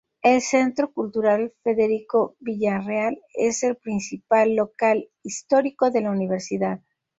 El Centro Cultural Federico Villarreal, es el principal local histórico de la Universidad.